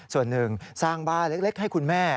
ส่วนหนึ่งสร้างบ้านเล็กให้คุณแม่